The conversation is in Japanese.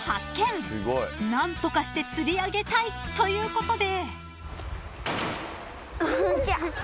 ［何とかして釣り上げたいということで］